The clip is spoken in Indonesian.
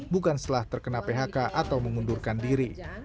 bukan setelah terkena phk atau mengundurkan diri